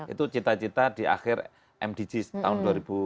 itu cita cita di akhir mdgs tahun dua ribu lima belas